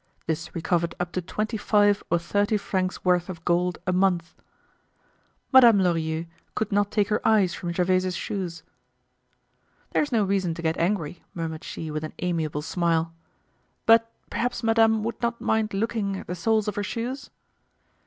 This recovered up to twenty five or thirty francs' worth of gold a month. Madame Lorilleux could not take her eyes from Gervaise's shoes. "There's no reason to get angry," murmured she with an amiable smile. "But, perhaps madame would not mind looking at the soles of her shoes."